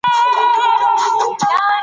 چاپیریال د اقتصادي پرمختګ لپاره هم مهم دی.